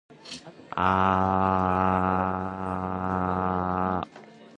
Internal art was by Doug Mahnke and Norm Rapmund.